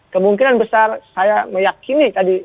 kemungkinan besar saya meyakini tadi